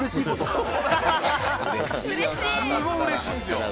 「すごい嬉しいんですよ」